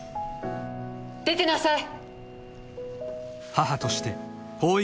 出てなさい！